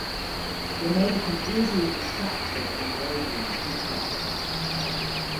They may become easily distracted or daydream frequently.